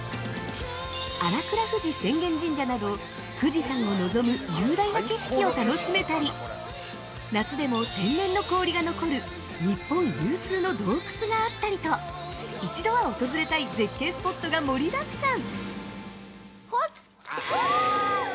新倉富士浅間神社など富士山を望む雄大な景色を楽しめたり、夏でも天然の氷が残る日本有数の洞窟があったりと一度は訪れたい絶景スポットが盛りだくさん。